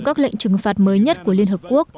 các lệnh trừng phạt mới nhất của liên hợp quốc